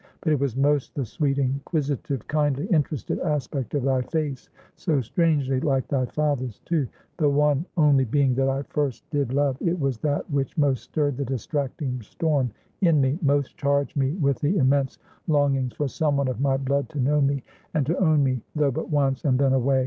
But it was most the sweet, inquisitive, kindly interested aspect of thy face, so strangely like thy father's, too the one only being that I first did love it was that which most stirred the distracting storm in me; most charged me with the immense longings for some one of my blood to know me, and to own me, though but once, and then away.